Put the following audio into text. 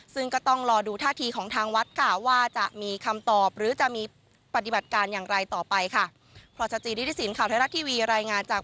ซึ่งก็ต้องรอดูท่าทีของทางวัดค่ะว่าจะมีคำตอบหรือจะมีปฏิบัติการอย่างไรต่อไปค่ะ